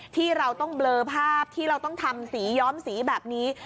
ที่เราต้องเบลอภาพที่เราต้องทำสีย้อมสีแบบนี้